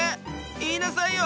言いなさいよ！